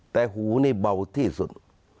แต่หูนี่เบาที่สุด